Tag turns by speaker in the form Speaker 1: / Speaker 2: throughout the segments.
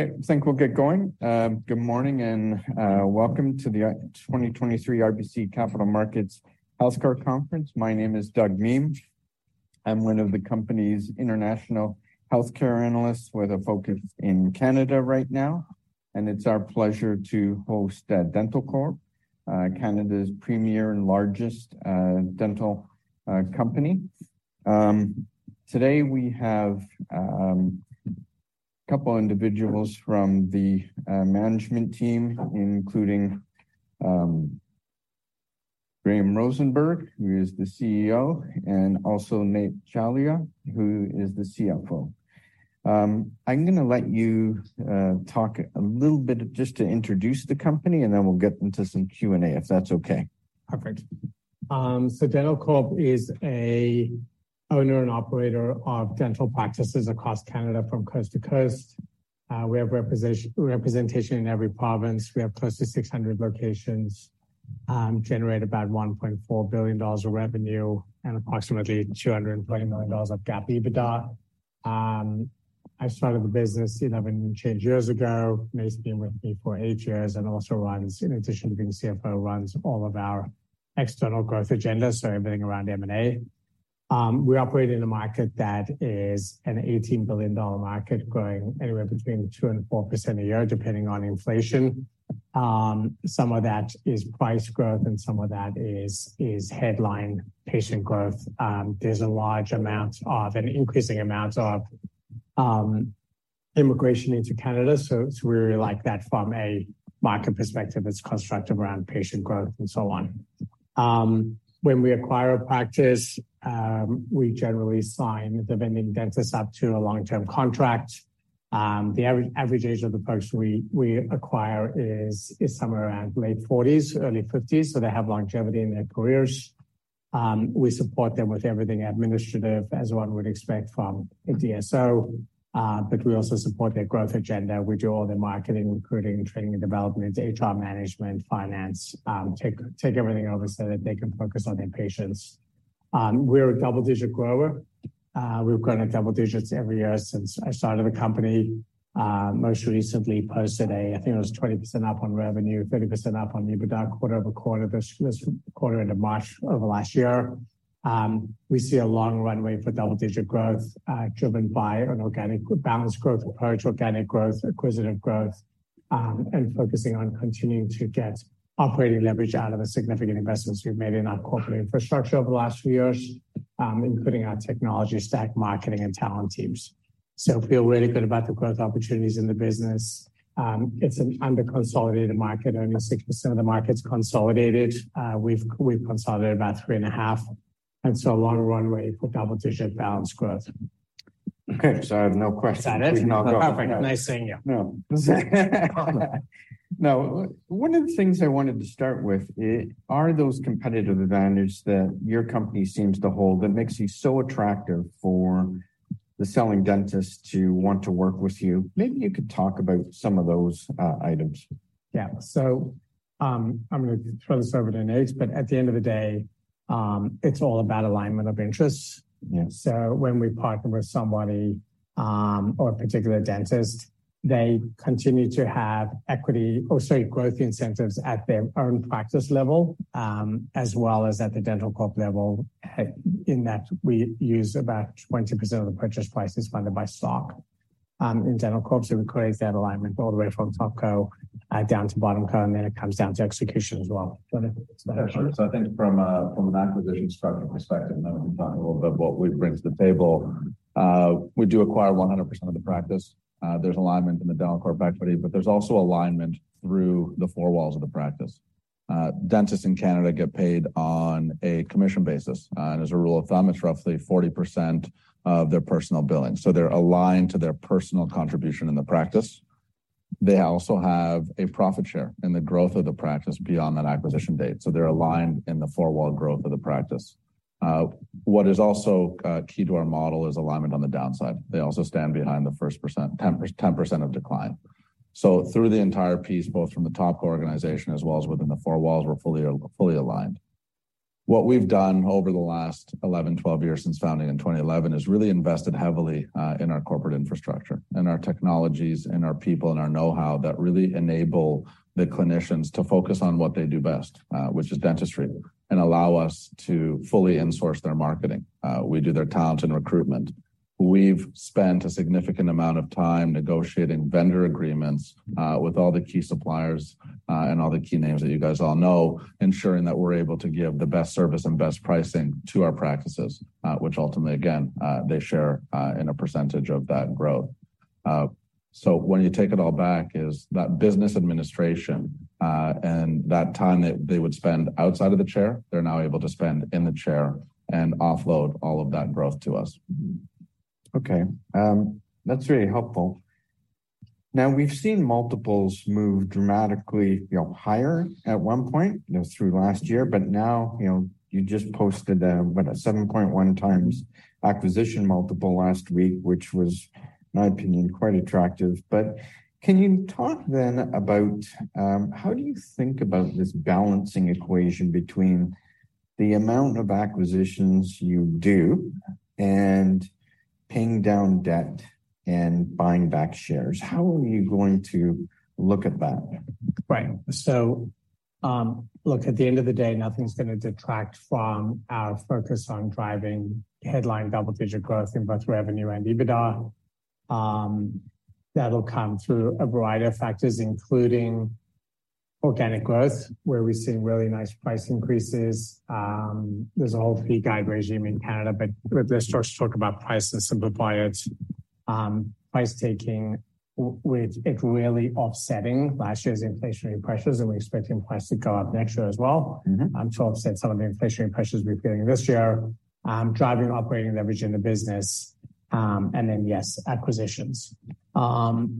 Speaker 1: I think we'll get going. Good morning and welcome to the 2023 RBC Capital Markets Healthcare Conference. My name is Douglas Miehm. I'm one of the company's international healthcare analysts with a focus in Canada right now, and it's our pleasure to host dentalcorp, Canada's premier and largest dental company. Today we have couple individuals from the management team, including Graham Rosenberg, who is the CEO, and also Nate Tchaplia, who is the CFO. I'm gonna let you talk a little bit just to introduce the company, and then we'll get into some Q&A, if that's okay.
Speaker 2: Perfect. dentalcorp is a owner and operator of dental practices across Canada from coast to coast. We have representation in every province. We have close to 600 locations, generate about 1.4 billion dollars of revenue and approximately 220 million dollars of GAAP EBITDA. I started the business 11 years ago. Nate's been with me for eight years and also runs, in addition to being CFO, runs all of our external growth agendas, everything around M&A. We operate in a market that is an 18 billion dollar market growing anywhere between 2%-4% a year, depending on inflation. Some of that is price growth and some of that is headline patient growth. There's a large amount of and increasing amounts of immigration into Canada. It's really like that from a market perspective, it's constructive around patient growth and so on. When we acquire a practice, we generally sign the vending dentist up to a long-term contract. The average age of the person we acquire is somewhere around late 40s, early 50s, so they have longevity in their careers. We support them with everything administrative as one would expect from a DSO, but we also support their growth agenda. We do all their marketing, recruiting, training and development, HR management, finance, take everything over so that they can focus on their patients. We're a double-digit grower. We've grown at double digits every year since I started the company. Most recently posted a, I think it was 20% up on revenue, 30% up on EBITDA quarter-over-quarter. This quarter end of March over last year. We see a long runway for double-digit growth, driven by an organic balanced growth approach, organic growth, acquisitive growth, and focusing on continuing to get operating leverage out of the significant investments we've made in our corporate infrastructure over the last few years, including our technology stack, marketing, and talent teams. Feel really good about the growth opportunities in the business. It's an under-consolidated market. Only 6% of the market's consolidated. We've consolidated about 3.5, a long runway for double-digit balanced growth.
Speaker 1: Okay. I have no questions.
Speaker 2: Is that it?
Speaker 1: We can now go.
Speaker 2: Perfect. Nice seeing you.
Speaker 1: No. One of the things I wanted to start with are those competitive advantage that your company seems to hold that makes you so attractive for the selling dentist to want to work with you. Maybe you could talk about some of those items.
Speaker 2: I'm gonna throw this over to Nate, but at the end of the day, it's all about alignment of interests.
Speaker 1: Yeah.
Speaker 2: When we partner with somebody, or a particular dentist, they continue to have equity or growth incentives at their own practice level, as well as at the Dentalcorp level. In that, we use about 20% of the purchase price is funded by stock in Dentalcorp. It creates that alignment all the way from TopCo down to BottomCo, and then it comes down to execution as well. Do you want to say a few words?
Speaker 3: Sure. I think from an acquisition structure perspective, and then we can talk a little bit what we bring to the table. We do acquire 100% of the practice. There's alignment in the Dentalcorp equity, but there's also alignment through the four walls of the practice. Dentists in Canada get paid on a commission basis. And as a rule of thumb, it's roughly 40% of their personal billing. They're aligned to their personal contribution in the practice. They also have a profit share in the growth of the practice beyond that acquisition date. They're aligned in the four wall growth of the practice. What is also key to our model is alignment on the downside. They also stand behind the 10% of decline. Through the entire piece, both from the TopCo organization as well as within the four walls, we're fully aligned. What we've done over the last 11, 12 years since founding in 2011 is really invested heavily in our corporate infrastructure and our technologies and our people and our know-how that really enable the clinicians to focus on what they do best, which is dentistry, and allow us to fully insource their marketing. We do their talent and recruitment. We've spent a significant amount of time negotiating vendor agreements with all the key suppliers and all the key names that you guys all know, ensuring that we're able to give the best service and best pricing to our practices, which ultimately again, they share in a percentage of that growth. When you take it all back, is that business administration, and that time that they would spend outside of the chair, they're now able to spend in the chair and offload all of that growth to us.
Speaker 1: Okay. That's really helpful. We've seen multiples move dramatically, you know, higher at one point, you know, through last year. Now, you know, you just posted a, what, a 7.1x acquisition multiple last week, which was, in my opinion, quite attractive. Can you talk then about how do you think about this balancing equation between the amount of acquisitions you do and paying down debt and buying back shares, how are you going to look at that?
Speaker 2: Right. look, at the end of the day, nothing's gonna detract from our focus on driving headline double-digit growth in both revenue and EBITDA. That'll come through a variety of factors, including organic growth, where we're seeing really nice price increases. There's a whole fee guide regime in Canada, but let's just talk about price and simplify it. Price taking with it really offsetting last year's inflationary pressures, and we're expecting prices to go up next year as well.
Speaker 1: Mm-hmm.
Speaker 2: I'm sure offset some of the inflationary pressures we've been getting this year, driving operating leverage in the business. Yes, acquisitions.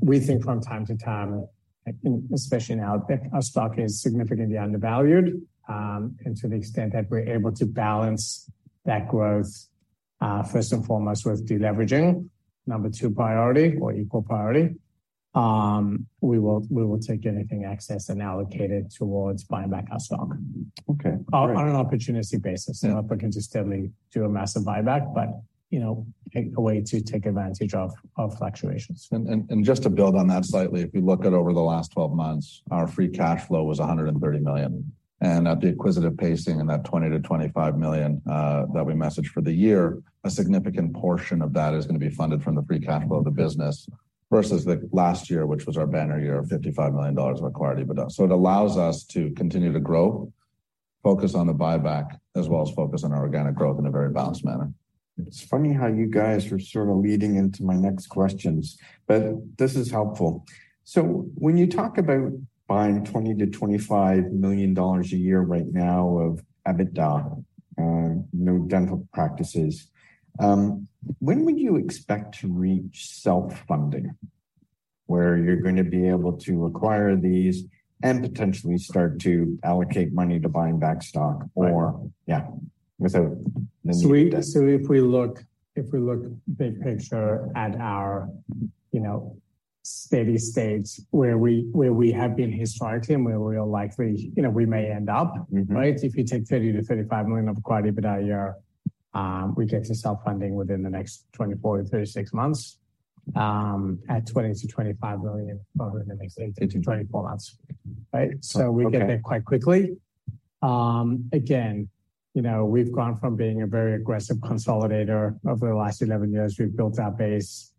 Speaker 2: We think from time to time, I think especially now, that our stock is significantly undervalued. To the extent that we're able to balance that growth, first and foremost with deleveraging, number two priority or equal priority, we will take anything excess and allocate it towards buying back our stock.
Speaker 1: Okay. Great.
Speaker 2: On an opportunity basis.
Speaker 1: Yeah.
Speaker 2: Not looking to steadily do a massive buyback but, you know, take a way to take advantage of fluctuations.
Speaker 3: Just to build on that slightly, if you look at over the last 12 months, our free cash flow was 130 million. At the acquisitive pacing and that 20 million-25 million that we messaged for the year, a significant portion of that is gonna be funded from the free cash flow of the business versus the last year, which was our banner year of 55 million dollars of acquired EBITDA. It allows us to continue to grow, focus on the buyback, as well as focus on our organic growth in a very balanced manner.
Speaker 1: It's funny how you guys are sort of leading into my next questions, but this is helpful. When you talk about buying 20 million-25 million dollars a year right now of EBITDA, you know, dental practices, when would you expect to reach self-funding, where you're gonna be able to acquire these and potentially start to allocate money to buying back stock?
Speaker 2: Right.
Speaker 1: yeah.
Speaker 2: If we look big picture at our, you know, steady state where we have been historically and where we'll likely, you know, we may end up.
Speaker 1: Mm-hmm.
Speaker 2: Right? If you take 30 million-35 million of acquired EBITDA a year, we get to self-funding within the next 24-36 months, at 20 million-25 million rather than the next 8-24 months. Right?
Speaker 1: Okay.
Speaker 2: We'll get there quite quickly. Again, you know, we've gone from being a very aggressive consolidator. Over the last 11 years, we've built our base.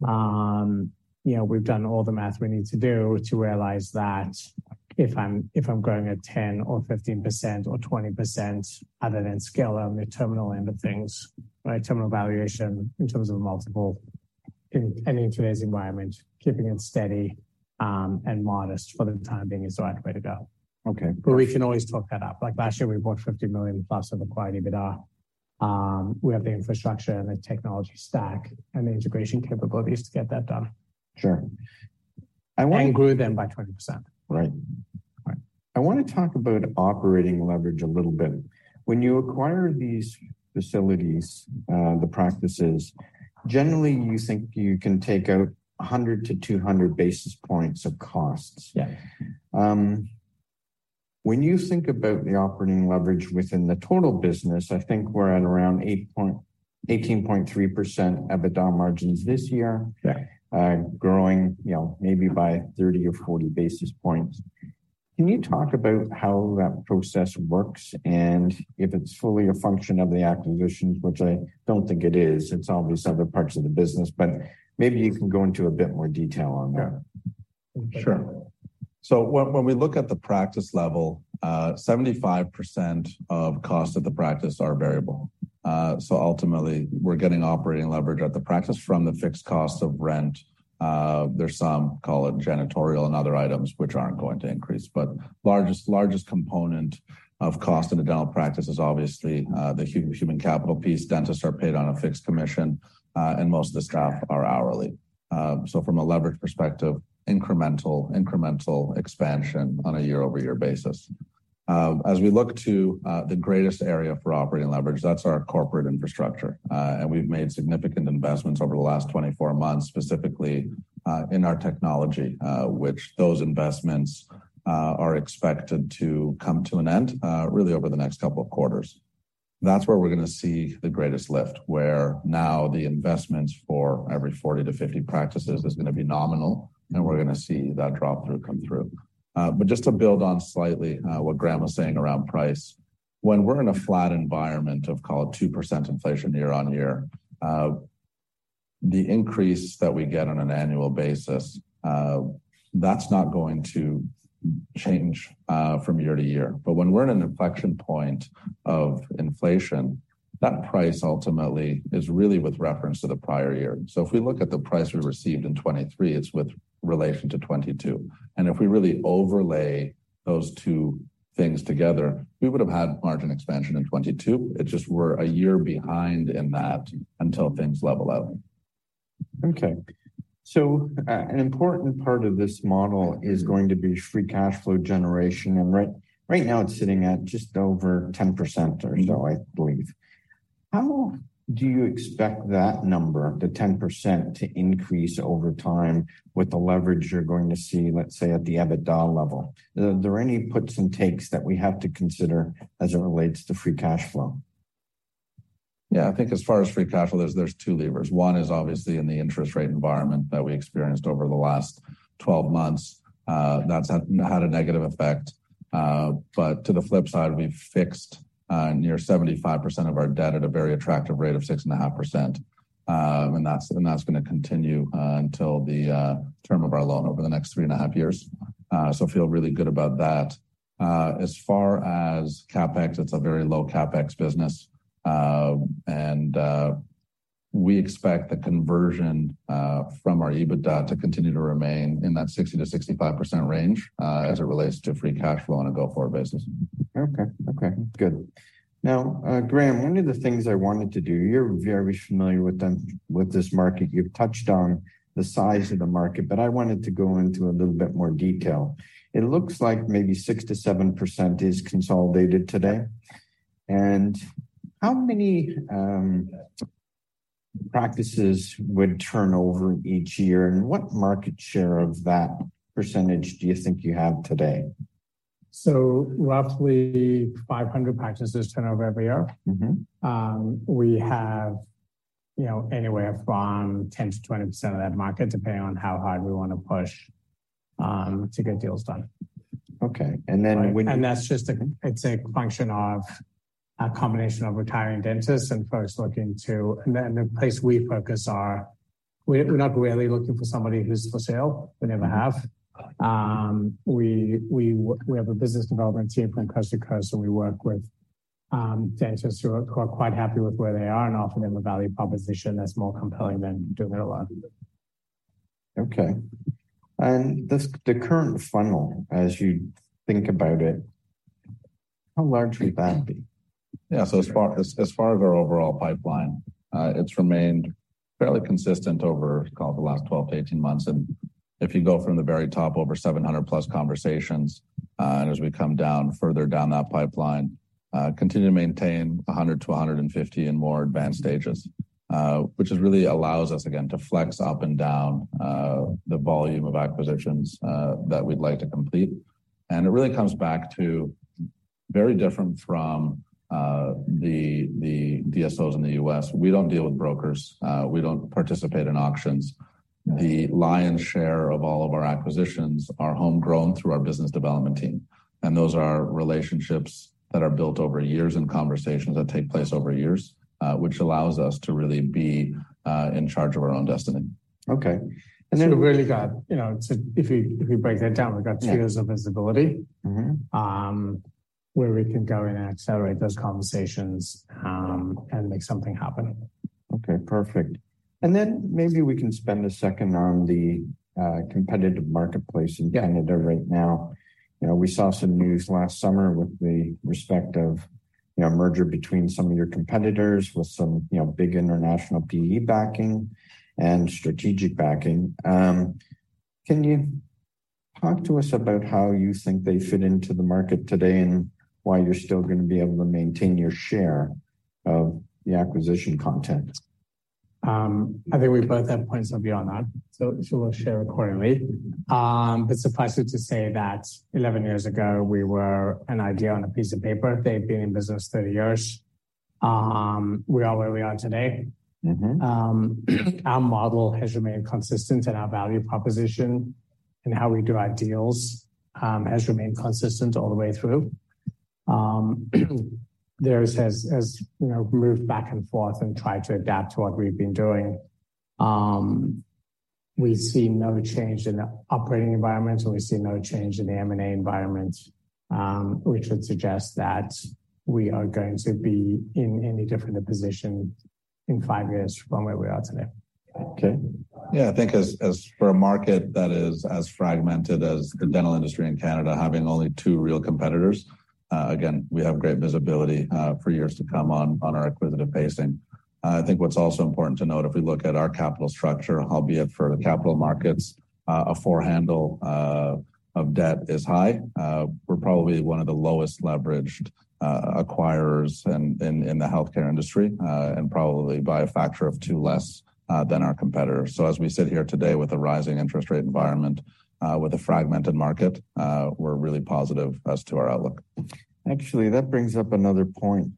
Speaker 2: You know, we've done all the math we need to do to realize that if I'm, if I'm growing at 10% or 15% or 20% other than scale on the terminal end of things, right, terminal valuation in terms of a multiple in today's environment, keeping it steady, and modest for the time being is the right way to go.
Speaker 1: Okay.
Speaker 2: We can always talk that up. Like, last year, we bought 50 million plus of acquired EBITDA. We have the infrastructure and the technology stack and the integration capabilities to get that done.
Speaker 1: Sure.
Speaker 2: Grew them by 20%.
Speaker 1: Right. Right. I wanna talk about operating leverage a little bit. When you acquire these facilities, the practices, generally, you think you can take out 100-200 basis points of costs.
Speaker 2: Yeah.
Speaker 1: When you think about the operating leverage within the total business, I think we're at around 18.3% EBITDA margins this year.
Speaker 2: Yeah.
Speaker 1: Growing, you know, maybe by 30 or 40 basis points. Can you talk about how that process works and if it's fully a function of the acquisitions, which I don't think it is? It's obviously other parts of the business, but maybe you can go into a bit more detail on that.
Speaker 2: Yeah. Sure.
Speaker 3: When we look at the practice level, 75% of cost of the practice are variable. Ultimately, we're getting operating leverage at the practice from the fixed costs of rent. There's some, call it janitorial and other items which aren't going to increase. Largest component of cost in a dental practice is obviously the human capital piece. Dentists are paid on a fixed commission, and most of the staff are hourly. From a leverage perspective, incremental expansion on a year-over-year basis. As we look to the greatest area for operating leverage, that's our corporate infrastructure. We've made significant investments over the last 24 months, specifically in our technology, which those investments are expected to come to an end really over the next couple of quarters. That's where we're gonna see the greatest lift, where now the investments for every 40 to 50 practices is gonna be nominal, and we're gonna see that drop-through come through. Just to build on slightly, what Graham was saying around price. When we're in a flat environment of, call it, 2% inflation year on year, the increase that we get on an annual basis, that's not going to change from year to year. When we're in an inflection point of inflation, that price ultimately is really with reference to the prior year. If we look at the price we received in 23, it's with relation to 22. If we really overlay those two things together, we would have had margin expansion in 22. It just we're a year behind in that until things level out.
Speaker 1: Okay. An important part of this model is going to be free cash flow generation. Right now it's sitting at just over 10% or so, I believe. How do you expect that number, the 10%, to increase over time with the leverage you're going to see, let's say, at the EBITDA level? Are there any puts and takes that we have to consider as it relates to free cash flow?
Speaker 3: I think as far as free cash flow, there's two levers. One is obviously in the interest rate environment that we experienced over the last 12 months. That's had a negative effect. To the flip side, we've fixed near 75% of our debt at a very attractive rate of 6.5%. That's gonna continue until the term of our loan over the next three and a half years. Feel really good about that. As far as CapEx, it's a very low CapEx business. We expect the conversion from our EBITDA to continue to remain in that 60%-65% range as it relates to free cash flow on a go-forward business.
Speaker 1: Okay. Okay. Good. Now, Graham, one of the things I wanted to do, you're very familiar with this market. You've touched on the size of the market, but I wanted to go into a little bit more detail. It looks like maybe 6%-7% is consolidated today. How many practices would turn over each year, and what market share of that percentage do you think you have today?
Speaker 2: Roughly 500 practices turn over every year.
Speaker 1: Mm-hmm.
Speaker 2: We have, you know, anywhere from 10%-20% of that market, depending on how hard we wanna push, to get deals done.
Speaker 1: Okay.
Speaker 2: That's just a function of a combination of retiring dentists and folks looking to. The place we focus, we're not really looking for somebody who's for sale. We never have. We have a business development team from coast to coast, and we work with dentists who are quite happy with where they are and offering them a value proposition that's more compelling than doing it alone.
Speaker 1: Okay. The current funnel, as you think about it, how large would that be?
Speaker 3: As far as our overall pipeline, it's remained fairly consistent over call it the last 12-18 months. If you go from the very top, over 700+ conversations, as we come down further down that pipeline, continue to maintain 100-150 in more advanced stages, which really allows us again to flex up and down the volume of acquisitions that we'd like to complete. It really comes back to very different from the DSOs in the U.S. We don't deal with brokers. We don't participate in auctions. The lion's share of all of our acquisitions are homegrown through our business development team. Those are relationships that are built over years and conversations that take place over years, which allows us to really be in charge of our own destiny.
Speaker 1: Okay.
Speaker 2: We've really got, you know, if we break that down, we've got two years of visibility.
Speaker 1: Mm-hmm...
Speaker 2: where we can go in and accelerate those conversations, and make something happen.
Speaker 1: Okay. Perfect. Then maybe we can spend a second on the competitive marketplace in Canada right now. You know, we saw some news last summer with the respective, you know, merger between some of your competitors with some, you know, big international PE backing and strategic backing. Can you talk to us about how you think they fit into the market today and why you're still gonna be able to maintain your share of the acquisition content?
Speaker 2: I think we both have points of view on that, we'll share accordingly. Suffice it to say that 11 years ago, we were an idea on a piece of paper. They've been in business 30 years. We are where we are today.
Speaker 1: Mm-hmm.
Speaker 2: Our model has remained consistent, and our value proposition and how we do our deals, has remained consistent all the way through. Theirs has, you know, moved back and forth and tried to adapt to what we've been doing. We see no change in the operating environment, and we see no change in the M&A environment, which would suggest that we are going to be in any different a position in five years from where we are today.
Speaker 1: Okay.
Speaker 3: I think as for a market that is as fragmented as the dental industry in Canada, having only two real competitors, again, we have great visibility for years to come on our acquisitive pacing. I think what's also important to note, if we look at our capital structure, albeit for the capital markets, a four handle of debt is high. We're probably one of the lowest leveraged acquirers in the healthcare industry, and probably by a factor of two less than our competitors. As we sit here today with a rising interest rate environment, with a fragmented market, we're really positive as to our outlook.
Speaker 1: Actually, that brings up another point.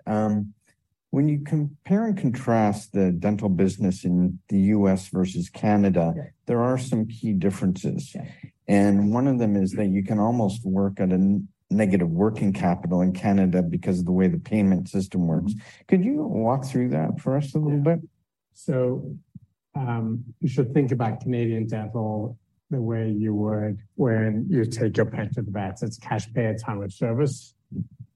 Speaker 1: When you compare and contrast the dental business in the U.S. versus Canada-
Speaker 2: Yeah...
Speaker 1: there are some key differences.
Speaker 2: Yeah.
Speaker 1: One of them is that you can almost work at a negative working capital in Canada because of the way the payment system works. Could you walk through that for us a little bit?
Speaker 2: You should think about Canadian dental the way you would when you take your pet to the vet. It's cash pay at time of service,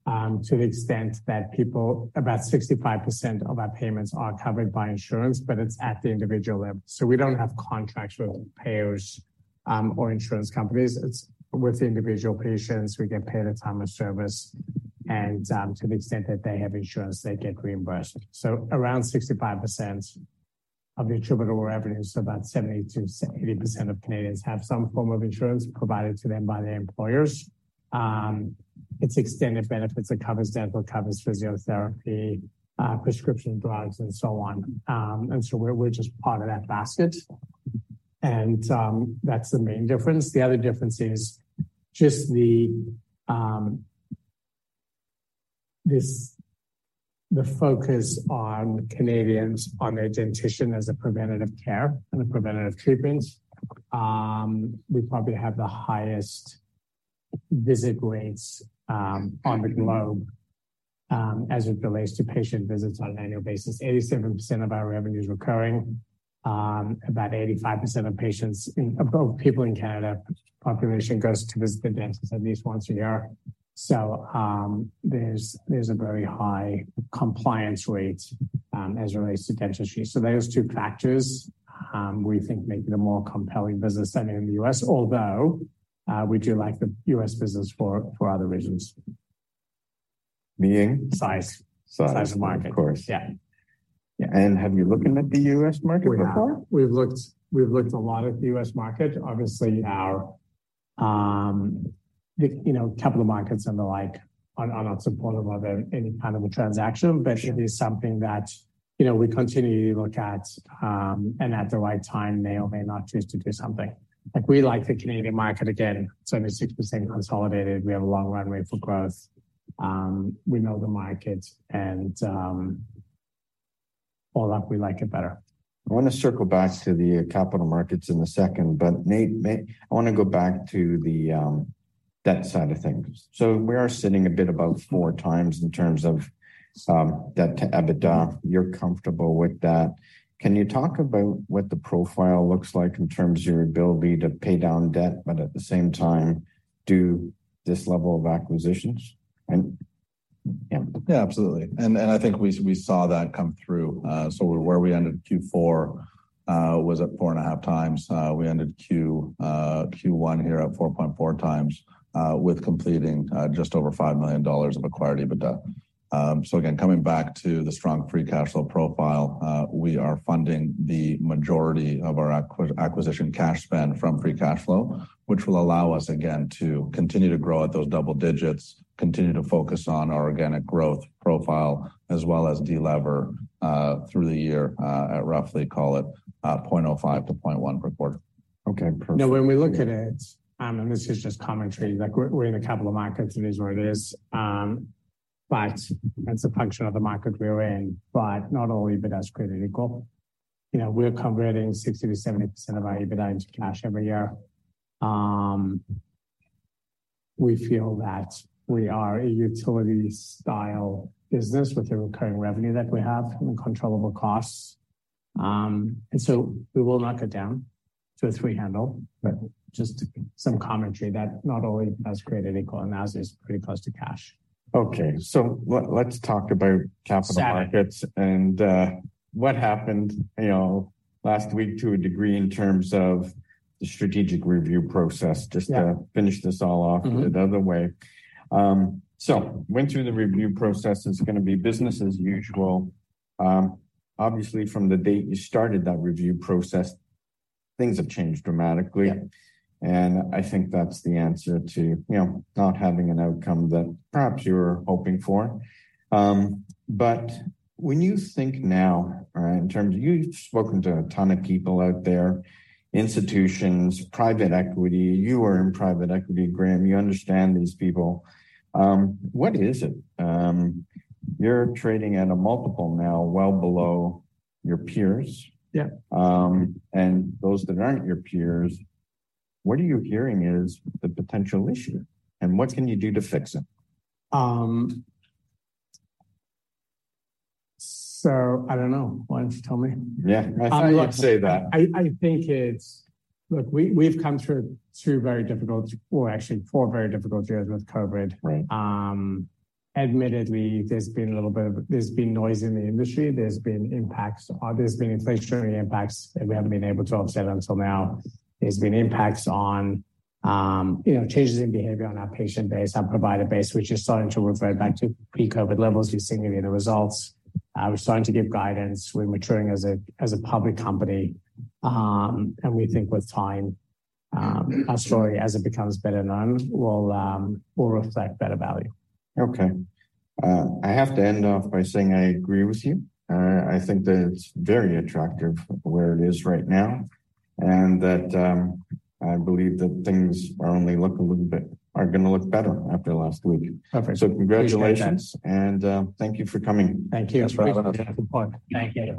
Speaker 2: to the extent that people, about 65% of our payments are covered by insurance, but it's at the individual level. We don't have contracts with payers or insurance companies. It's with the individual patients. We get paid at time of service, and to the extent that they have insurance, they get reimbursed. Around 65% of the attributable revenue. About 70%-80% of Canadians have some form of insurance provided to them by their employers. It's extended benefits. It covers dental, covers physiotherapy, prescription drugs, and so on. We're just part of that basket. That's the main difference. The other difference is just the focus on Canadians on their dentition as a preventative care and a preventative treatment. We probably have the highest visit rates on the globe as it relates to patient visits on an annual basis. 87% of our revenue is recurring. About 85% of people in Canada population goes to visit the dentist at least once a year. There's a very high compliance rate as it relates to dentistry. Those two factors, we think make it a more compelling business than in the U.S. although we do like the U.S. business for other reasons.
Speaker 1: Meaning?
Speaker 2: Size.
Speaker 1: Size.
Speaker 2: Size of market.
Speaker 1: Of course.
Speaker 2: Yeah.
Speaker 1: Have you looked into the U.S. market before?
Speaker 2: We have. We've looked a lot at the U.S. market. Obviously, our, you know, capital markets and the like are not supportive of any kind of a transaction. It is something that, you know, we continue to look at, and at the right time may or may not choose to do something. Like we like the Canadian market. Again, 76% consolidated. We have a long runway for growth. We know the markets and all that, we like it better.
Speaker 1: I wanna circle back to the capital markets in a second. Nate, I wanna go back to the debt side of things. We are sitting a bit above 4x in terms of debt to EBITDA. You're comfortable with that. Can you talk about what the profile looks like in terms of your ability to pay down debt, but at the same time, do this level of acquisitions? Yeah.
Speaker 3: Yeah, absolutely. I think we saw that come through. Where we ended Q4 was at 4.5x. We ended Q1 here at 4.4x, with completing just over 5 million dollars of acquired EBITDA. Again, coming back to the strong free cash flow profile, we are funding the majority of our acquisition cash spend from free cash flow, which will allow us again to continue to grow at those double digits, continue to focus on our organic growth profile, as well as de-lever through the year at roughly call it 0.05 to 0.1 per quarter.
Speaker 1: Okay, perfect.
Speaker 2: When we look at it, this is just commentary, like we're in a capital market, it is where it is. That's a function of the market we're in. Not all EBITDA is created equal. You know, we're converting 60%-70% of our EBITDA into cash every year. We feel that we are a utility-style business with the recurring revenue that we have and controllable costs. We will not go down to a three handle, just some commentary that not all EBITDA is created equal, and ours is pretty close to cash.
Speaker 1: Okay. let's talk about capital markets-
Speaker 2: Exactly.
Speaker 1: What happened, you know, last week to a degree in terms of the strategic review process.
Speaker 2: Yeah.
Speaker 1: Finish this all off.
Speaker 2: Mm-hmm.
Speaker 1: The other way. Went through the review process. It's gonna be business as usual. Obviously from the date you started that review process, things have changed dramatically.
Speaker 2: Yeah.
Speaker 1: I think that's the answer to, you know, not having an outcome that perhaps you were hoping for. When you think now, right, in terms of you've spoken to a ton of people out there, institutions, private equity. You were in private equity, Graham. You understand these people. What is it? You're trading at a multiple now well below your peers. Yeah. Those that aren't your peers, what are you hearing is the potential issue, and what can you do to fix it?
Speaker 2: I don't know. Why don't you tell me?
Speaker 1: Yeah. I thought you'd say that.
Speaker 2: I think it's. Look, we've come through two very difficult or actually four very difficult years with COVID.
Speaker 1: Right.
Speaker 2: Admittedly, there's been noise in the industry. There's been impacts. There's been inflationary impacts that we haven't been able to offset until now. There's been impacts on, you know, changes in behavior on our patient base, our provider base, which is starting to revert back to pre-COVID levels. You're seeing it in the results. We're starting to give guidance. We're maturing as a public company. We think with time, our story, as it becomes better known, will reflect better value.
Speaker 1: Okay. I have to end off by saying I agree with you. I think that it's very attractive where it is right now, and that, I believe that things are gonna look better after last week.
Speaker 2: Perfect.
Speaker 1: Congratulations.
Speaker 2: Appreciate that.
Speaker 1: Thank you for coming.
Speaker 2: Thank you.
Speaker 1: Thanks for having us.
Speaker 2: Good point. Thank you.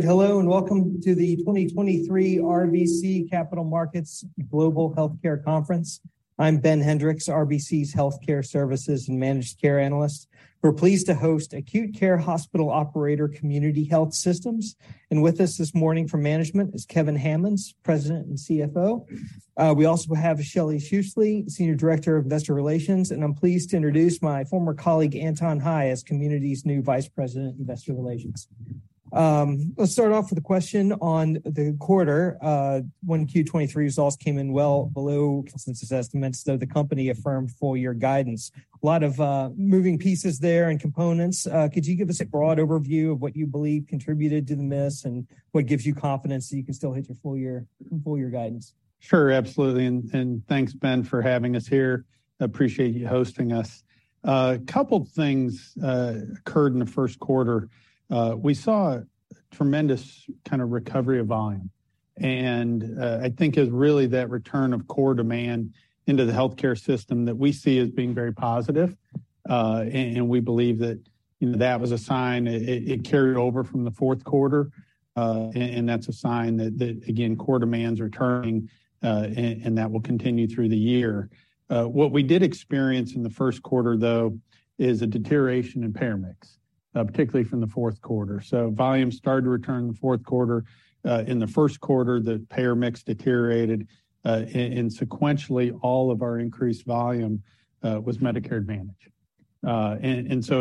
Speaker 4: Hello, welcome to the 2023 RBC Capital Markets Global Healthcare Conference. I'm Ben Hendrix, RBC's Healthcare Services and Managed Care Analyst. We're pleased to host acute care hospital operator Community Health Systems. With us this morning from management is Kevin Hammons, President and CFO. We also have Michelle Tice, Senior Director of Investor Relations, and I'm pleased to introduce my former colleague, Anton Hie, as Community's new Vice President, Investor Relations. Let's start off with a question on the quarter. When Q23 results came in well below consensus estimates, though the company affirmed full year guidance. A lot of moving pieces there and components. Could you give us a broad overview of what you believe contributed to the miss and what gives you confidence that you can still hit your full year guidance?
Speaker 5: Sure. Absolutely. Thanks, Ben, for having us here. Appreciate you hosting us. A couple things occurred in the first quarter. We saw tremendous kind of recovery of volume, and I think is really that return of core demand into the healthcare system that we see as being very positive. We believe that, you know, that was a sign it carried over from the fourth quarter, and that's a sign that, again, core demand's returning, and that will continue through the year. What we did experience in the first quarter, though, is a deterioration in payer mix. Particularly from the fourth quarter. Volume started to return in the fourth quarter. In the first quarter, the payer mix deteriorated, and sequentially, all of our increased volume was Medicare Advantage.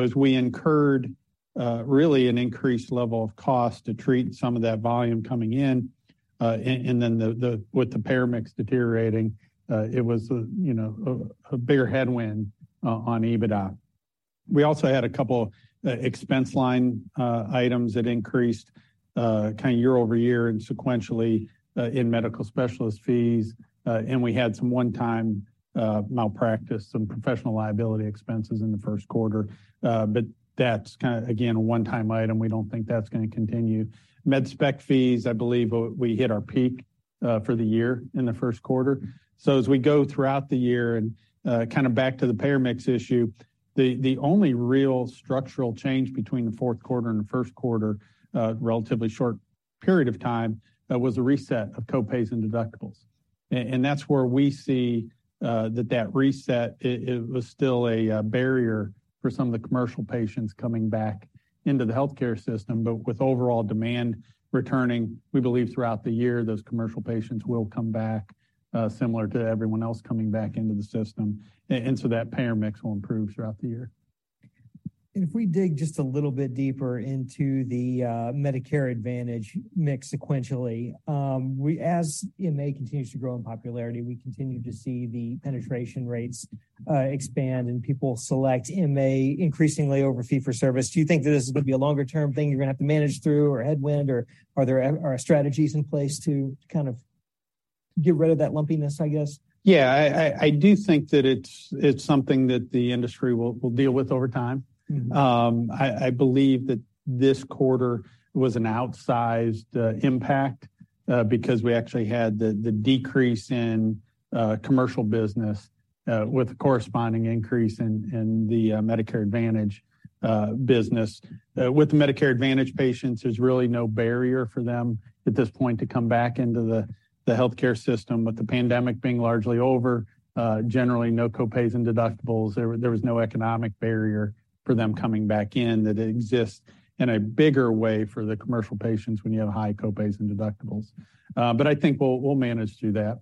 Speaker 5: As we incurred really an increased level of cost to treat some of that volume coming in, and then with the payer mix deteriorating, it was a, you know, a bigger headwind on EBITDA. We also had a couple expense line items that increased kind of year-over-year and sequentially in medical specialist fees. We had some one-time malpractice, some professional liability expenses in the first quarter. That's kinda, again, a one-time item. We don't think that's gonna continue. Med spec fees, I believe we hit our peak for the year in the first quarter. As we go throughout the year and, kinda back to the payer mix issue, the only real structural change between the fourth quarter and the first quarter, relatively short period of time, was a reset of co-pays and deductibles. That's where we see, that reset, it was still a barrier for some of the commercial patients coming back into the healthcare system. With overall demand returning, we believe throughout the year, those commercial patients will come back, similar to everyone else coming back into the system. That payer mix will improve throughout the year.
Speaker 4: If we dig just a little bit deeper into the Medicare Advantage mix sequentially, as MA continues to grow in popularity, we continue to see the penetration rates expand and people select MA increasingly over fee for service. Do you think that this is gonna be a longer term thing you're gonna have to manage through or headwind, or are there strategies in place to kind of get rid of that lumpiness, I guess?
Speaker 5: Yeah. I do think that it's something that the industry will deal with over time.
Speaker 4: Mm-hmm.
Speaker 5: I believe that this quarter was an outsized impact because we actually had the decrease in commercial business with a corresponding increase in the Medicare Advantage business. With the Medicare Advantage patients, there's really no barrier for them at this point to come back into the healthcare system. With the pandemic being largely over, generally no co-pays and deductibles. There was no economic barrier for them coming back in that exists in a bigger way for the commercial patients when you have high co-pays and deductibles. I think we'll manage through that.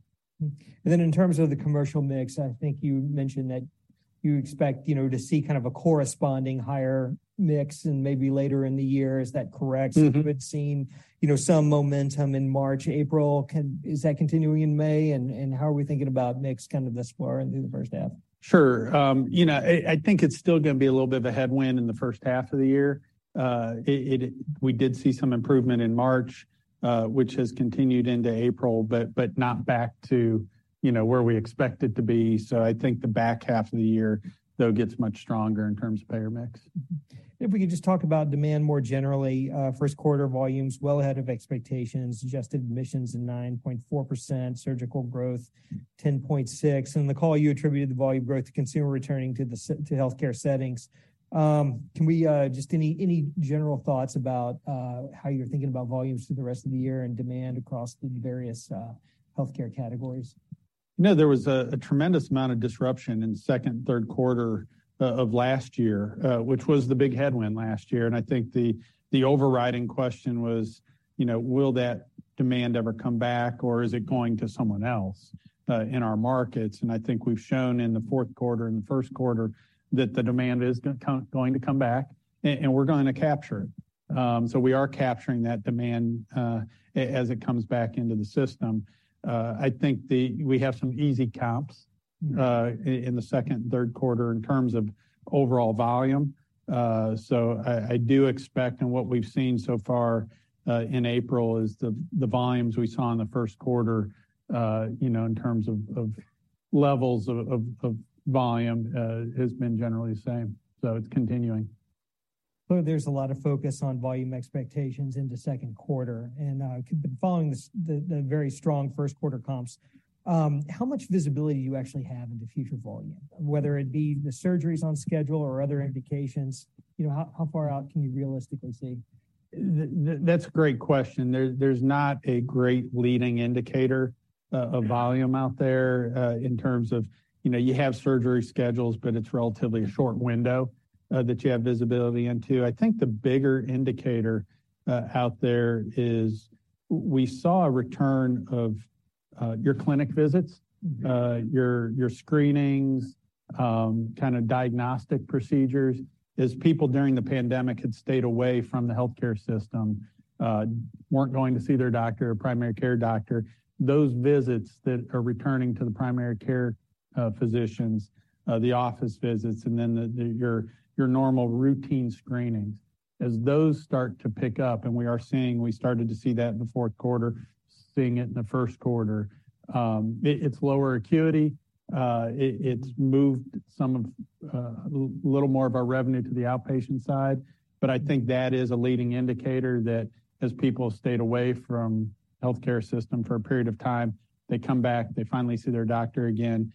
Speaker 4: In terms of the commercial mix, I think you mentioned that you expect, you know, to see kind of a corresponding higher mix and maybe later in the year. Is that correct?
Speaker 5: Mm-hmm.
Speaker 4: You had seen, you know, some momentum in March, April. Is that continuing in May? How are we thinking about mix kind of thus far into the first half?
Speaker 5: Sure. You know, I think it's still gonna be a little bit of a headwind in the first half of the year. We did see some improvement in March, which has continued into April, but not back to, you know, where we expect it to be. I think the back half of the year, though, gets much stronger in terms of payer mix.
Speaker 4: If we could just talk about demand more generally. First quarter volumes, well ahead of expectations. Adjusted admissions in 9.4%. Surgical growth, 10.6%. In the call, you attributed the volume growth to consumer returning to healthcare settings. Can we just any general thoughts about how you're thinking about volumes through the rest of the year and demand across the various healthcare categories?
Speaker 5: No, there was a tremendous amount of disruption in second, third quarter of last year, which was the big headwind last year. I think the overriding question was, you know, will that demand ever come back, or is it going to someone else in our markets? I think we've shown in the fourth quarter and the first quarter that the demand is going to come back and we're gonna capture it. We are capturing that demand as it comes back into the system. I think we have some easy comps in the second and third quarter in terms of overall volume. I do expect and what we've seen so far, in April is the volumes we saw in the first quarter, you know, in terms of levels of volume, has been generally the same. It's continuing.
Speaker 4: There's a lot of focus on volume expectations into second quarter, and, but following the very strong first quarter comps, how much visibility do you actually have into future volume, whether it be the surgeries on schedule or other indications? You know, how far out can you realistically see?
Speaker 5: That's a great question. There's not a great leading indicator of volume out there in terms of, you know, you have surgery schedules, but it's relatively a short window that you have visibility into. I think the bigger indicator out there is we saw a return of your clinic visits, your screenings, kind of diagnostic procedures, as people during the pandemic had stayed away from the healthcare system, weren't going to see their doctor or primary care doctor. Those visits that are returning to the primary care physicians, the office visits, and then your normal routine screenings, as those start to pick up, and we are seeing, we started to see that in the fourth quarter, seeing it in the first quarter. It's lower acuity. It's moved some of a little more of our revenue to the outpatient side. I think that is a leading indicator that as people stayed away from healthcare system for a period of time, they come back, they finally see their doctor again,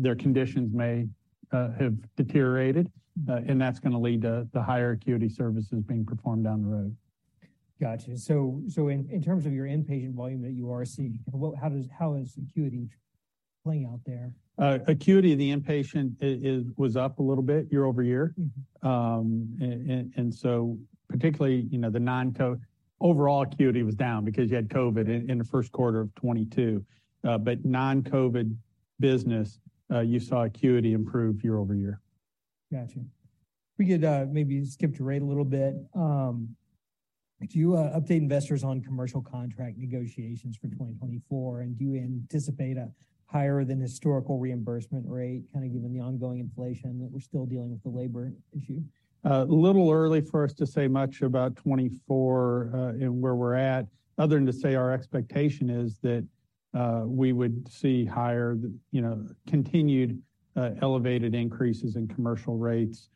Speaker 5: their conditions may have deteriorated. That's gonna lead to the higher acuity services being performed down the road.
Speaker 4: Gotcha. In terms of your inpatient volume that you are seeing, how is acuity playing out there?
Speaker 5: acuity of the inpatient was up a little bit year-over-year.
Speaker 4: Mm-hmm.
Speaker 5: Particularly, you know, overall acuity was down because you had COVID in the first quarter of 2022. Non-COVID business, you saw acuity improve year-over-year.
Speaker 4: Gotcha. If we could, maybe skip to rate a little bit. Could you update investors on commercial contract negotiations for 2024? Do you anticipate a higher than historical reimbursement rate, kind of given the ongoing inflation that we're still dealing with the labor issue?
Speaker 5: A little early for us to say much about 2024, and where we're at, other than to say our expectation is that, we would see higher you know, continued, elevated increases in commercial rates.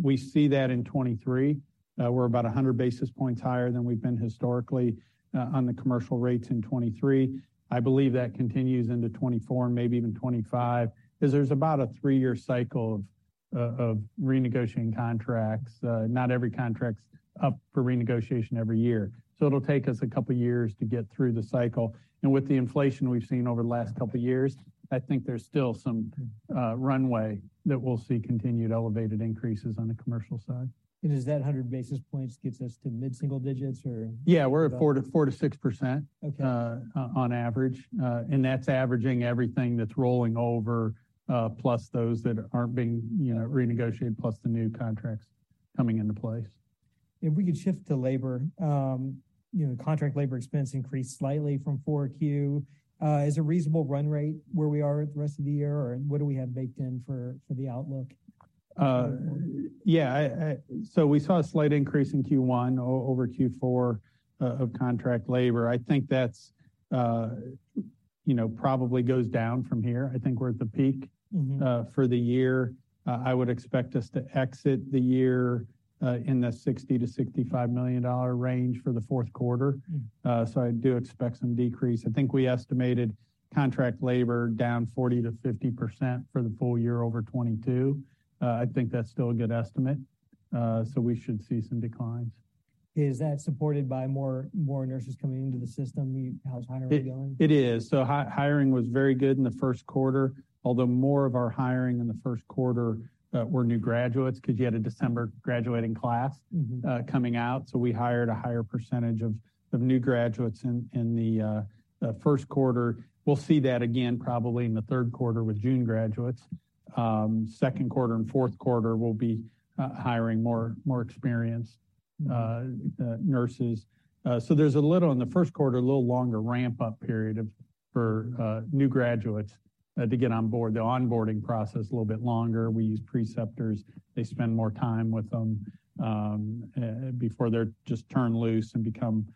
Speaker 5: We see that in 2023. We're about 100 basis points higher than we've been historically, on the commercial rates in 2023. I believe that continues into 2024 and maybe even 2025, 'cause there's about a three-year cycle of renegotiating contracts. Not every contract's up for renegotiation every year. So it'll take us a couple years to get through the cycle. With the inflation we've seen over the last couple years, I think there's still some runway that we'll see continued elevated increases on the commercial side.
Speaker 4: Does that 100 basis points gets us to mid-single digits, or?
Speaker 5: Yeah. We're at 4%-6%.
Speaker 4: Okay...
Speaker 5: on average. That's averaging everything that's rolling over, plus those that aren't being, you know, renegotiated, plus the new contracts coming into place.
Speaker 4: If we could shift to labor. you know, contract labor expense increased slightly from Q4. Is a reasonable run rate where we are at the rest of the year, or what do we have baked in for the outlook?
Speaker 5: Yeah. We saw a slight increase in Q1 over Q4 of contract labor. I think that's, you know, probably goes down from here. I think we're at the peak-
Speaker 4: Mm-hmm...
Speaker 5: for the year. I would expect us to exit the year, in the $60 million-$65 million range for the fourth quarter.
Speaker 4: Mm-hmm.
Speaker 5: I do expect some decrease. I think we estimated contract labor down 40%-50% for the full year over 2022. I think that's still a good estimate, so we should see some declines.
Speaker 4: Is that supported by more nurses coming into the system? How's hiring going?
Speaker 5: It is. Hiring was very good in the first quarter, although more of our hiring in the first quarter, were new graduates, 'cause you had a December graduating class.
Speaker 4: Mm-hmm...
Speaker 5: Coming out. We hired a higher percentage of new graduates in the first quarter. We'll see that again probably in the third quarter with June graduates. Second quarter and fourth quarter will be hiring more experienced nurses. There's a little in the first quarter, a little longer ramp-up period for new graduates to get on board. The onboarding process a little bit longer. We use preceptors. They spend more time with them before they're just turned loose and become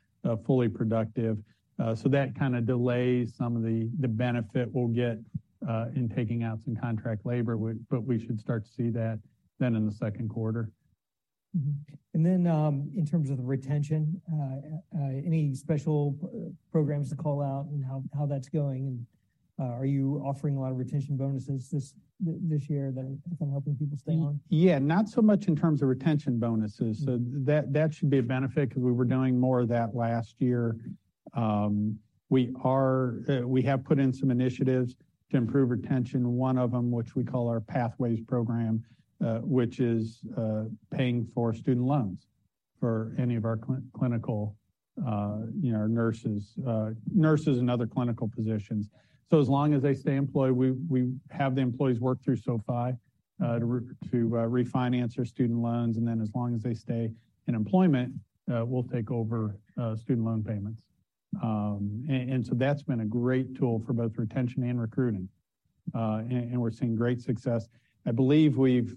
Speaker 5: fully productive. That kinda delays some of the benefit we'll get in taking out some contract labor. But we should start to see that then in the second quarter.
Speaker 4: In terms of the retention, any special programs to call out and how that's going? Are you offering a lot of retention bonuses this year that are kind of helping people stay on?
Speaker 5: Yeah, not so much in terms of retention bonuses. That, that should be a benefit because we were doing more of that last year. We have put in some initiatives to improve retention. One of them, which we call our Pathways program, which is paying for student loans for any of our clinical, you know, nurses and other clinical positions. As long as they stay employed, we have the employees work through SoFi to refinance their student loans, and then as long as they stay in employment, we'll take over student loan payments. That's been a great tool for both retention and recruiting. We're seeing great success. I believe we've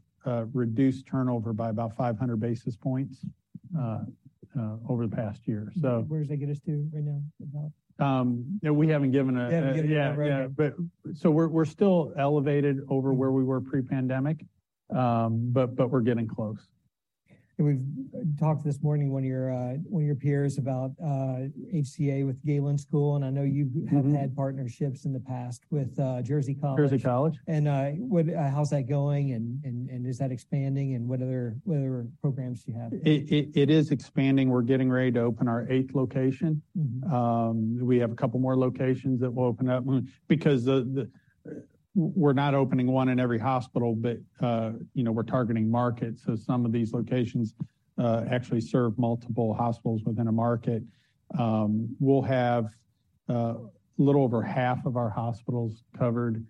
Speaker 5: reduced turnover by about 500 basis points over the past year.
Speaker 4: Where does that get us to right now, about?
Speaker 5: Yeah, we haven't given...
Speaker 4: You haven't given.
Speaker 5: Yeah. Yeah.
Speaker 4: Right.
Speaker 5: We're still elevated over where we were pre-pandemic, but we're getting close.
Speaker 4: We've talked this morning, one of your peers about HCA with Galen School, and I know.
Speaker 5: Mm-hmm...
Speaker 4: have had partnerships in the past with Jersey College.
Speaker 5: Jersey College.
Speaker 4: What, how's that going, and is that expanding, and what other programs do you have?
Speaker 5: It is expanding. We're getting ready to open our eighth location.
Speaker 4: Mm-hmm.
Speaker 5: We have a couple more locations that will open up. Because we're not opening one in every hospital, but, you know, we're targeting markets, so some of these locations actually serve multiple hospitals within a market. We'll have a little over half of our hospitals covered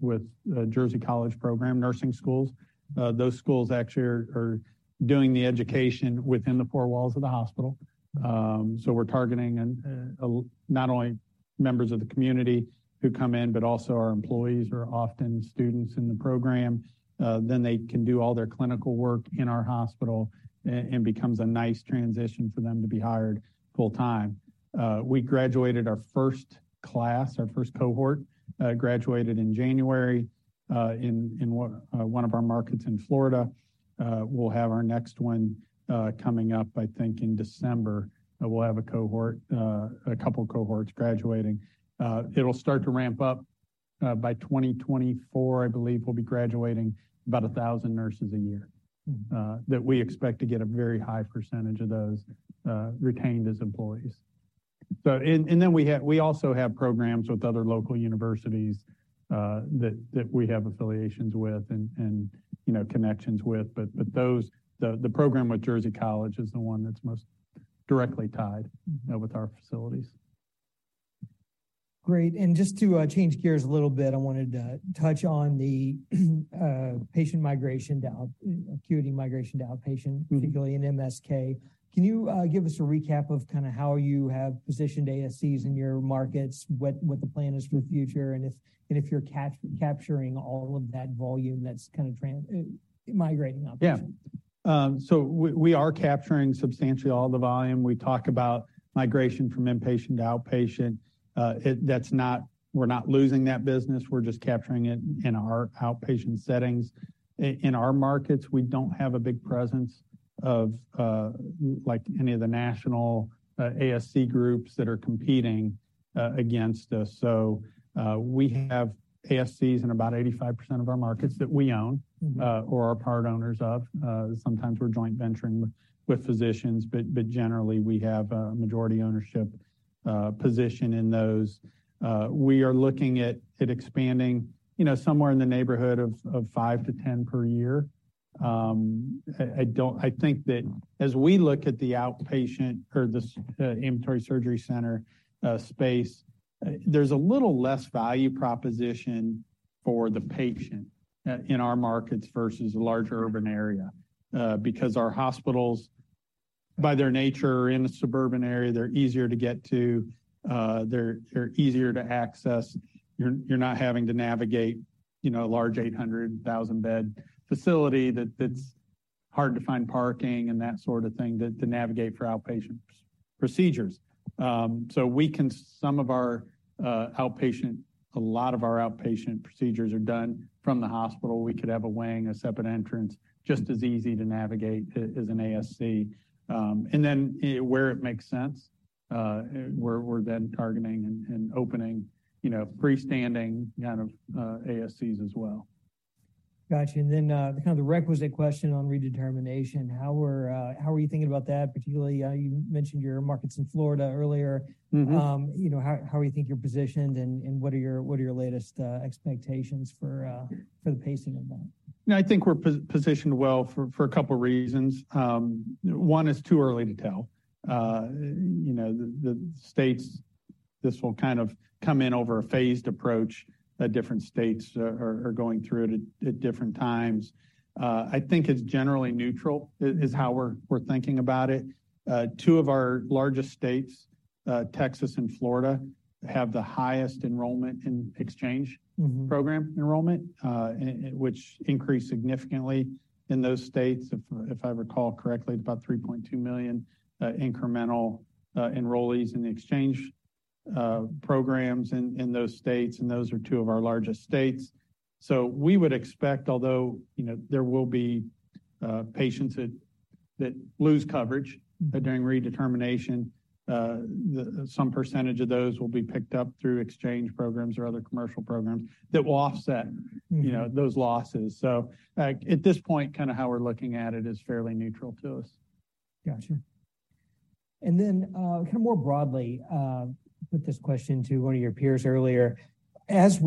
Speaker 5: with Jersey College program nursing schools. Those schools actually are doing the education within the four walls of the hospital. We're targeting not only members of the community who come in, but also our employees are often students in the program. They can do all their clinical work in our hospital and becomes a nice transition for them to be hired full time. We graduated our first class, our first cohort, graduated in January in one of our markets in Florida. We'll have our next one coming up, I think, in December. We'll have a cohort, a couple cohorts graduating. It'll start to ramp up. By 2024, I believe we'll be graduating about 1,000 nurses a year.
Speaker 4: Mm-hmm.
Speaker 5: That we expect to get a very high percentage of those retained as employees. We also have programs with other local universities that we have affiliations with and, you know, connections with. The program with Jersey College is the one that's most directly tied with our facilities.
Speaker 4: Great. Just to change gears a little bit, I wanted to touch on the patient migration to acuity migration to outpatient...
Speaker 5: Mm-hmm.
Speaker 4: particularly in MSK. Can you give us a recap of kinda how you have positioned ASCs in your markets, what the plan is for the future, and if you're capturing all of that volume that's kind of migrating outpatient?
Speaker 5: Yeah. We are capturing substantially all the volume. We talk about migration from inpatient to outpatient. We're not losing that business. We're just capturing it in our outpatient settings. In our markets, we don't have a big presence of like any of the national ASC groups that are competing against us. We have ASCs in about 85% of our markets that we own.
Speaker 4: Mm-hmm.
Speaker 5: Are part owners of. Sometimes we're joint venturing with physicians, but generally, we have a majority ownership position in those. We are looking at expanding, you know, somewhere in the neighborhood of five to 10 per year. I think that as we look at the outpatient or the Ambulatory Surgery Center space, there's a little less value proposition for the patient in our markets versus a larger urban area. Because our hospitals, by their nature, are in a suburban area. They're easier to get to. They're easier to access. You're not having to navigate, you know, a large 800,000-bed facility that's hard to find parking and that sort of thing to navigate for outpatient procedures. Some of our outpatient, a lot of our outpatient procedures are done from the hospital. We could have a wing, a separate entrance, just as easy to navigate as an ASC. Where it makes sense, we're then targeting and opening, you know, freestanding kind of ASCs as well.
Speaker 4: Got you. Kind of the requisite question on redetermination. How are, how are you thinking about that, particularly, you mentioned your markets in Florida earlier?
Speaker 5: Mm-hmm.
Speaker 4: you know, how do you think you're positioned and what are your latest expectations for the pacing of that?
Speaker 5: You know, I think we're positioned well for a couple reasons. One, it's too early to tell. You know, the states, this will kind of come in over a phased approach. Different states are going through it at different times. I think it's generally neutral is how we're thinking about it. two of our largest states, Texas and Florida, have the highest enrollment in exchange-
Speaker 4: Mm-hmm.
Speaker 5: program enrollment, and which increased significantly in those states. If I recall correctly, about 3.2 million incremental enrollees in the exchange programs in those states, and those are two of our largest states. We would expect, although, you know, there will be patients that lose coverage.
Speaker 4: Mm-hmm.
Speaker 5: during redetermination, some percentage of those will be picked up through exchange programs or other commercial programs that will offset-
Speaker 4: Mm-hmm.
Speaker 5: you know, those losses. At this point, kinda how we're looking at it is fairly neutral to us.
Speaker 4: Gotcha. Then, kinda more broadly, put this question to one of your peers earlier. Since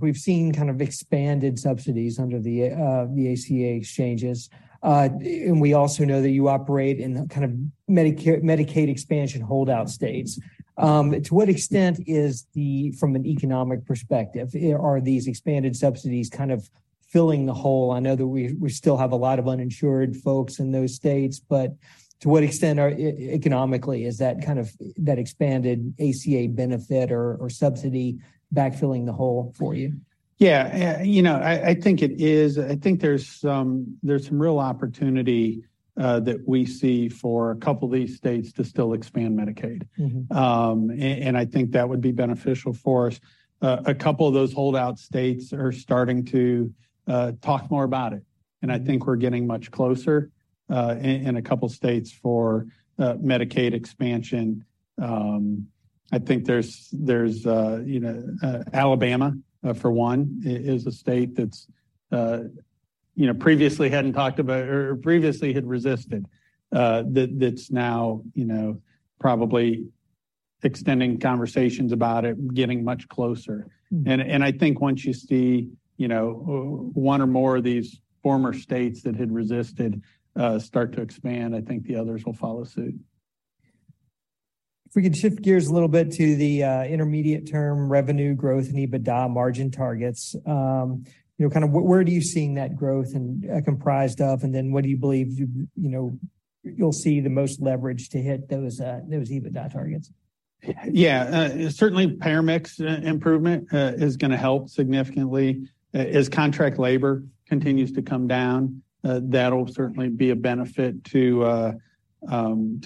Speaker 4: we've seen kind of expanded subsidies under the ACA exchanges, and we also know that you operate in the kind of Medicaid expansion holdout states, to what extent is the, from an economic perspective, are these expanded subsidies kind of filling the hole? I know that we still have a lot of uninsured folks in those states, but to what extent are economically is that kind of, that expanded ACA benefit or subsidy backfilling the hole for you?
Speaker 5: Yeah. Yeah. You know, I think it is. I think there's some real opportunity, that we see for a couple of these states to still expand Medicaid.
Speaker 4: Mm-hmm.
Speaker 5: I think that would be beneficial for us. A couple of those holdout states are starting to talk more about it, I think we're getting much closer in a couple states for Medicaid expansion. I think there's, you know, Alabama, for one, is a state that's, you know, previously hadn't talked about or previously had resisted, that's now, you know, probably extending conversations about it, getting much closer.
Speaker 4: Mm-hmm.
Speaker 5: I think once you see, you know, one or more of these former states that had resisted, start to expand, I think the others will follow suit.
Speaker 4: If we could shift gears a little bit to the intermediate term revenue growth and EBITDA margin targets. You know, kind of where are you seeing that growth and comprised of, and then what do you believe, you know, you'll see the most leverage to hit those those EBITDA targets?
Speaker 5: Yeah. Certainly, payor mix improvement is gonna help significantly. As contract labor continues to come down, that'll certainly be a benefit to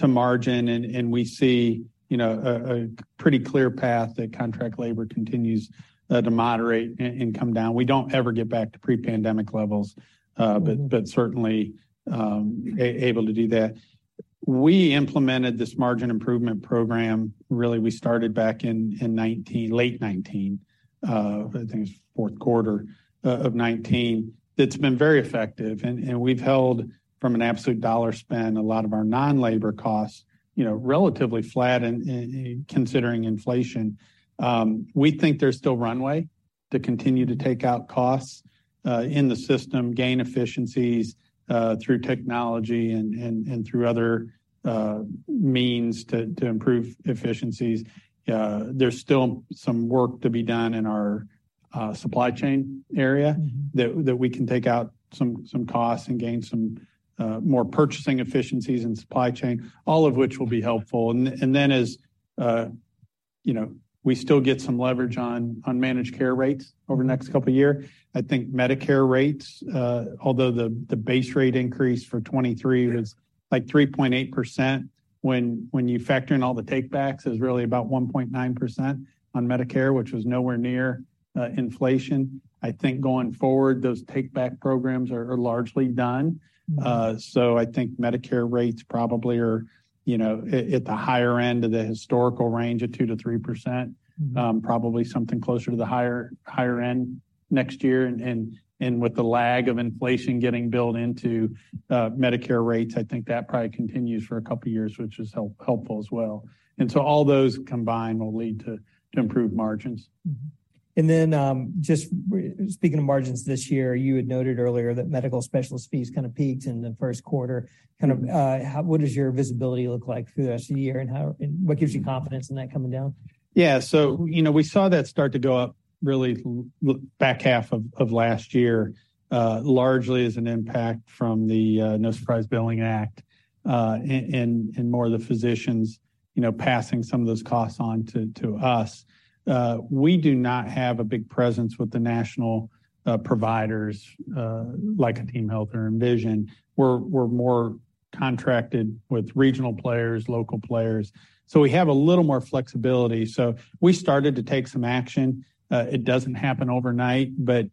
Speaker 5: margin. We see, you know, a pretty clear path that contract labor continues to moderate and come down. We don't ever get back to pre-pandemic levels, but certainly able to do that. We implemented this margin improvement program. Really, we started back in 2019-- late 2019, I think it was fourth quarter of 2019. It's been very effective. We've held from an absolute dollar spend a lot of our non-labor costs, you know, relatively flat in considering inflation. We think there's still runway to continue to take out costs in the system, gain efficiencies through technology and through other means to improve efficiencies. There's still some work to be done in our supply chain area.
Speaker 4: Mm-hmm.
Speaker 5: That we can take out some costs and gain some more purchasing efficiencies in supply chain, all of which will be helpful. Then as, you know, we still get some leverage on managed care rates over the next couple of year. I think Medicare rates, although the base rate increase for 2023 was like 3.8%, when you factor in all the take backs, is really about 1.9% on Medicare, which was nowhere near inflation. I think going forward, those take back programs are largely done.
Speaker 4: Mm-hmm.
Speaker 5: I think Medicare rates probably are, you know, at the higher end of the historical range of 2%-3%. Probably something closer to the higher end next year. With the lag of inflation getting built into Medicare rates, I think that probably continues for a couple of years, which is helpful as well. All those combined will lead to improved margins.
Speaker 4: Just speaking of margins this year, you had noted earlier that medical specialist fees kind of peaked in the first quarter. Kind of, what does your visibility look like through the rest of the year, and what gives you confidence in that coming down?
Speaker 5: You know, we saw that start to go up really back half of last year, largely as an impact from the No Surprises Act, and more of the physicians, you know, passing some of those costs on to us. We do not have a big presence with the national providers, like a TeamHealth or Envision. We're more contracted with regional players, local players. We have a little more flexibility. We started to take some action. It doesn't happen overnight, but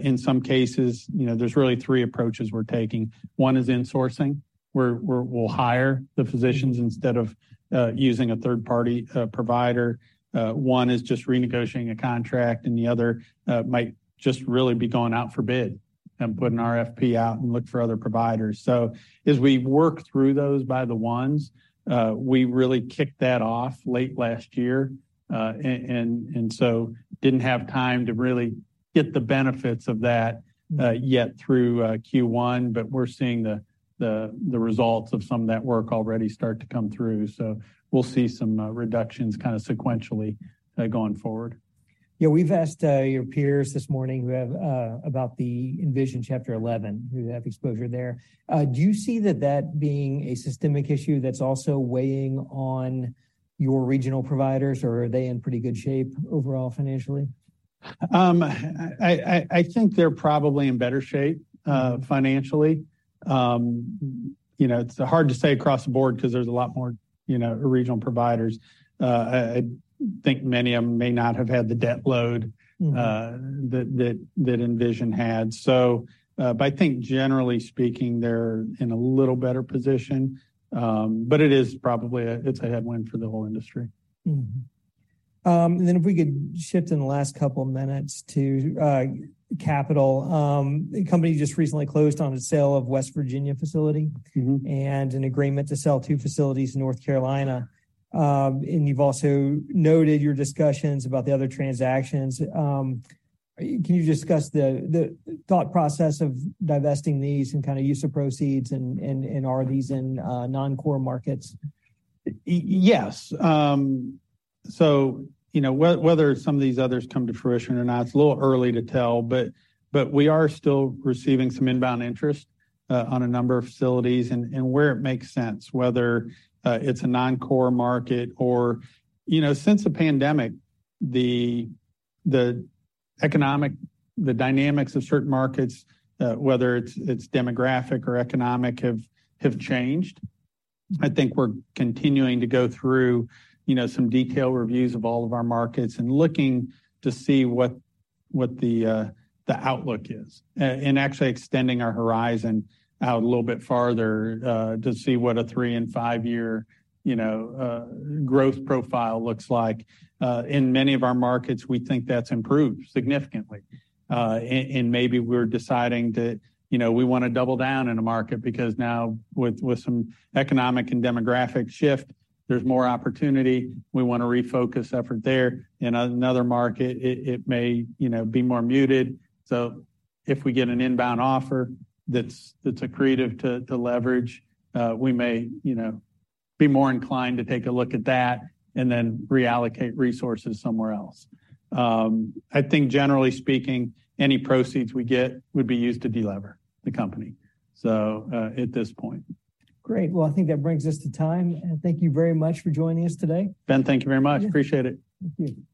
Speaker 5: in some cases, you know, there's really three approaches we're taking. One is insourcing, where we'll hire the physicians instead of using a third-party provider. One is just renegotiating a contract, and the other might just really be going out for bid and putting RFP out and look for other providers. As we work through those by the ones, we really kicked that off late last year, and so didn't have time to really get the benefits of that yet through Q1, but we're seeing the results of some of that work already start to come through. So we'll see some reductions kind of sequentially going forward.
Speaker 4: We've asked, your peers this morning about the Envision Chapter 11, who have exposure there. Do you see that being a systemic issue that's also weighing on your regional providers, or are they in pretty good shape overall financially?
Speaker 5: I think they're probably in better shape financially. you know, it's hard to say across the board because there's a lot more, you know, regional providers. I think many of them may not have had the debt load.
Speaker 4: Mm-hmm.
Speaker 5: That Envision had. I think generally speaking, they're in a little better position. It's a headwind for the whole industry.
Speaker 4: If we could shift in the last couple of minutes to capital. The company just recently closed on a sale of West Virginia facility.
Speaker 5: Mm-hmm.
Speaker 4: An agreement to sell two facilities in North Carolina. You've also noted your discussions about the other transactions. Can you discuss the thought process of divesting these and kind of use of proceeds and are these in non-core markets?
Speaker 5: Yes. You know, whether some of these others come to fruition or not, it's a little early to tell, but we are still receiving some inbound interest on a number of facilities and where it makes sense, whether it's a non-core market or... You know, since the pandemic, the economic dynamics of certain markets, whether it's demographic or economic, have changed. I think we're continuing to go through, you know, some detailed reviews of all of our markets and looking to see what the outlook is, and actually extending our horizon out a little bit farther to see what a three and five-year, you know, growth profile looks like. In many of our markets, we think that's improved significantly. Maybe we're deciding to, you know, we wanna double down in a market because now with some economic and demographic shift, there's more opportunity. We wanna refocus effort there. In another market, it may, you know, be more muted. If we get an inbound offer that's accretive to leverage, we may, you know, be more inclined to take a look at that and then reallocate resources somewhere else. I think generally speaking, any proceeds we get would be used to de-lever the company, so, at this point.
Speaker 4: Great. Well, I think that brings us to time. Thank you very much for joining us today.
Speaker 5: Ben, thank you very much. Appreciate it.
Speaker 4: Thank you.